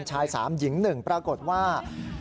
ชาย๓หญิง๑ปรากฏว่า